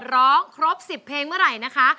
ร้องครบ๑๐เพลงเมื่อไหร่นะคะ